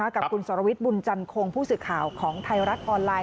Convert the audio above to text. กับคุณสารวิทย์บุญจันทร์โครงผู้ศึกข่าวของไทยรัฐออนไลน์